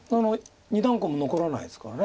二段コウも残らないですから。